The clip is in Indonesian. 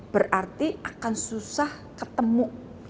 berarti akan susah ketemu